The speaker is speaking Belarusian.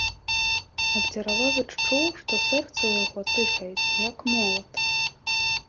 Абдзіраловіч чуў, што сэрца ў яго тыхаець, як молат.